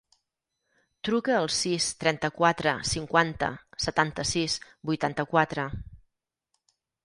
Truca al sis, trenta-quatre, cinquanta, setanta-sis, vuitanta-quatre.